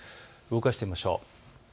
動かしてみましょう。